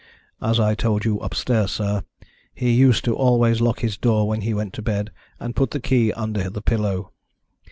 As I told you upstairs, sir, he used to always lock his door when he went to bed and put the key under the pillow.